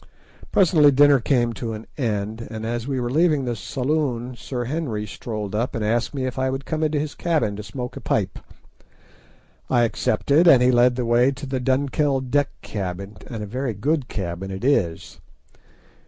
Presently dinner came to an end, and as we were leaving the saloon Sir Henry strolled up and asked me if I would come into his cabin to smoke a pipe. I accepted, and he led the way to the Dunkeld deck cabin, and a very good cabin it is.